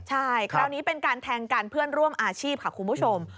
ใช่คราวนี้เป็นการแทงกันเพื่อนร่วมอาชีพค่ะคุณผู้ชม